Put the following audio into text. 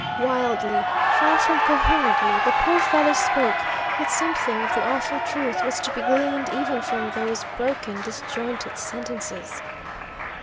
Wildly, far from coherently, the poor fellow spoke, yet something of the awful truth was to be gleaned even from those broken, disjointed sentences.